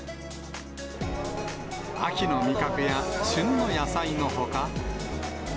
秋の味覚や旬の野菜のほか。